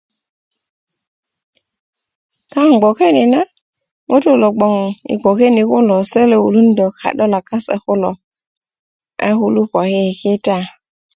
kaŋ gboke ni na ŋutú lo gboŋ i gboke ni kulo selo wulundá kadolak kase kulo a kulu poki i kita